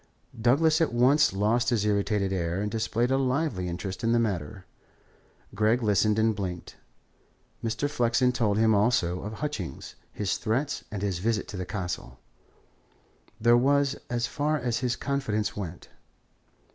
Douglas at once lost his irritated air and displayed a lively interest in the matter; Gregg listened and blinked. Mr. Flexen told them also of Hutchings, his threats, and his visit to the Castle. That was as far as his confidences went.